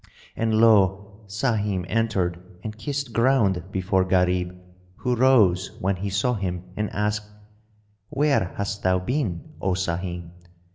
And lo! Sahim entered and kissed ground before Gharib, who rose, when he saw him, and asked, "Where hast thou been, O Sahim?"